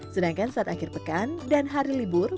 sedangkan saat akhir pekan dan hari libur